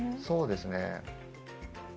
そうですね。